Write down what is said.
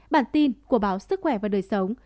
bản tin của báo sức khỏe và đời sống